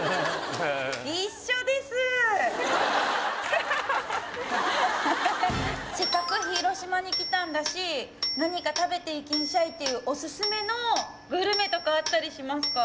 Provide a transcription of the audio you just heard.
せっかく広島に来たんだし何か食べて行きんしゃいっていうオススメのグルメとかあったりしますか？